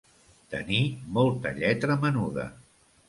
Tenir molta lletra menuda.